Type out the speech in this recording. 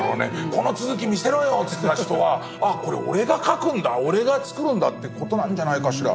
この続き見せろよって言ってた人はああこれ俺が描くんだ俺が作るんだって事なんじゃないかしら。